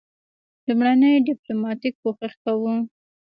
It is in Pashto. لومړنی ډیپلوماټیک کوښښ وو.